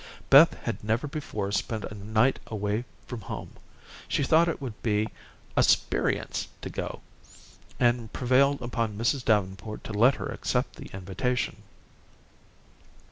Beth had never before spent a night away from home. She thought it would be a "sperience" to go, and prevailed upon Mrs. Davenport to let her accept the invitation.